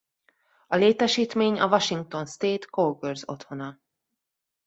A létesítmény a Washington State Cougars otthona.